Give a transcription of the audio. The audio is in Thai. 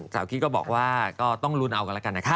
คิดก็บอกว่าก็ต้องลุ้นเอากันแล้วกันนะคะ